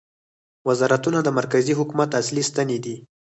وزارتونه د مرکزي حکومت اصلي ستنې دي